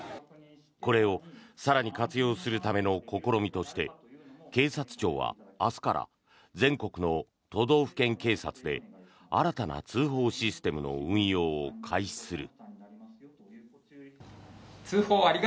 これを更に活用するための試みとして警察庁は明日から全国の都道府県警察で新たな通報システムの運用を開始する。